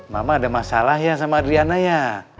mama ada masalah ya sama adriana ya